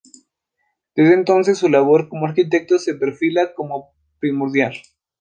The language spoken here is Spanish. Desde entonces su labor como arquitecto se perfila como primordial.